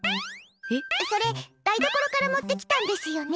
それ、台所から持ってきたんですよね？